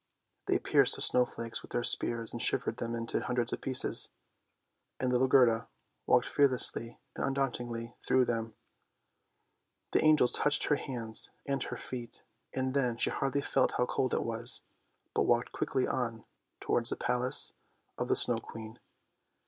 They pierced the snow flakes with their spears and shivered them into a hundred pieces, and little Gerda walked fearlessly and un dauntedly through them. The angels touched her hands and her feet, and then she hardly felt how cold it was, but walked quickly on towards the Palace of the Snow Queen.